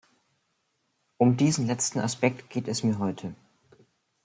Um diesen letzten Aspekt geht es mir heute.